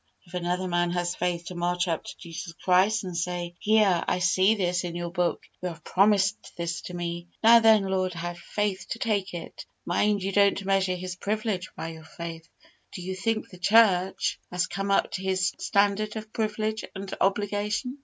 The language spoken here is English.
If another man has faith to march up to Jesus Christ and say, 'Here, I see this in your Book; You have promised this to me; now then, Lord, I have faith to take it:' mind you don't measure His privilege by your faith. Do you think the church has come up to His standard of privilege and obligation?